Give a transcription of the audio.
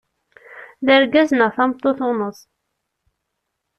D argaz neɣ tameṛṛut uneṣ.